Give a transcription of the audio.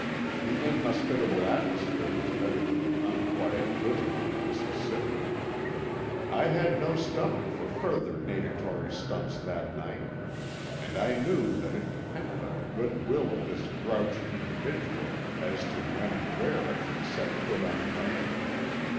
The inhospitable atmosphere was better than the unquiet bosom of the Mississippi. I had no stomach for further natatory stunts that night. And I knew that it depended on the good will of this grouchy individual as to when and where I should set foot on land.